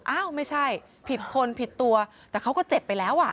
อ้าวไม่ใช่ผิดคนผิดตัวแต่เขาก็เจ็บไปแล้วอ่ะ